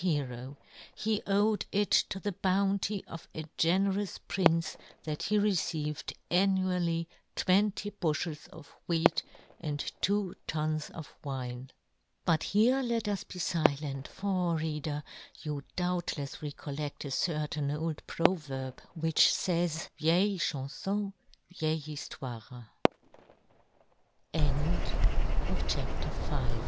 hero ; he owed it to the bounty of a generous prince that he received annually twenty bufhels of wheat and two tuns of wine ! But here let us be filent, for, Rea der, you doubtlefs recoUedt a certain old proverb which fays, " Vieille chan '^fon vieille